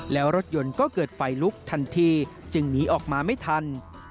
แล้วรถยนต์ก็เกิดไฟลุกทันทีจึงหนีออกมาไม่ทัน